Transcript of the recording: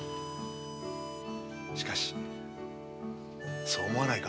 しかしそう思わないか？